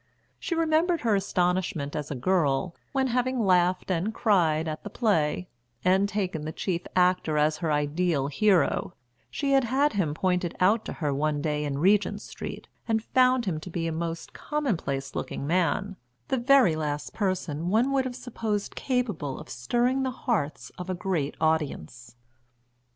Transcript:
She remembered her astonishment as a girl when, having laughed and cried at the play, and taken the chief actor as her ideal hero, she had had him pointed out to her one day in Regent Street, and found him to be a most commonplace looking man, the very last person one would have supposed capable of stirring the hearts of a great audience.